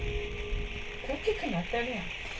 大きくなってるやん。